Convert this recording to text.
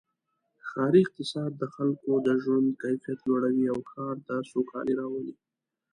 ښاري اقتصاد د خلکو د ژوند کیفیت لوړوي او ښار ته سوکالي راولي.